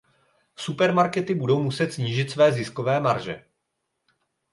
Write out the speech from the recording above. Supermarkety budou muset snížit své ziskové marže.